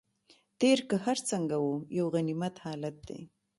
تېر که هر څنګه و یو غنیمت حالت دی.